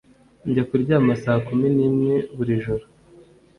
Njya kuryama saa kumi nimwe buri joro